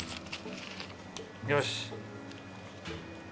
よし。